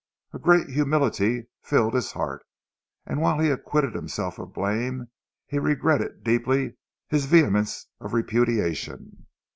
A great humility filled his heart, and whilst he acquitted himself of blame, he regretted deeply his vehemence of repudiation.